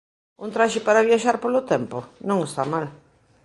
Un traxe para viaxar polo tempo? Non está mal.